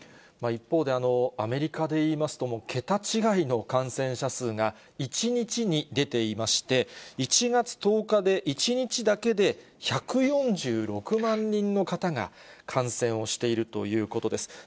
一方で、アメリカでいいますと、桁違いの感染者数が１日に出ていまして、１月１０日で、１日だけで１４６万人の方が感染をしているということです。